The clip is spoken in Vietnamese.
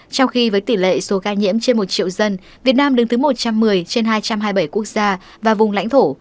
trong khi với tỷ lệ số ca nhiễm trên một triệu dân việt nam đứng thứ một trăm một mươi trên hai trăm hai mươi bảy quốc gia và vùng lãnh thổ